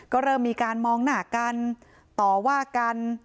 ก็เริ่มมีการมองหน้ากันต่อว่ากัน